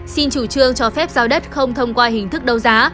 xin chủ trương cho phép giao đất không thông qua hình thức đấu giá